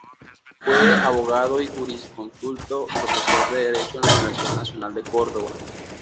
Fue abogado y jurisconsulto, profesor de Derecho en la Universidad Nacional de Córdoba.